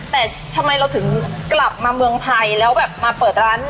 แต่ทำไมเราถึงกลับมาเมืองไทยแล้วแบบมาเปิดร้าน